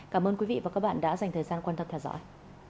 cảm ơn quý vị và các bạn đã dành thời gian quan tâm theo dõi